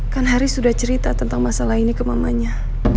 kan haris sudah cerita tentang masalah ini ke mamanya